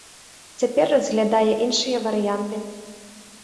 Цяпер разглядае іншыя варыянты.